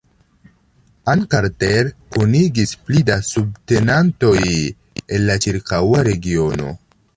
Ann Carter kunigis pli da subtenantoj el la ĉirkaŭa regiono.